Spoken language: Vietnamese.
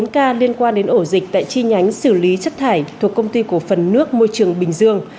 bốn ca liên quan đến ổ dịch tại chi nhánh xử lý chất thải thuộc công ty cổ phần nước môi trường bình dương